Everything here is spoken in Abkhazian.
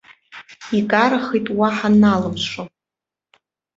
Икарахеит уаҳа налымшо.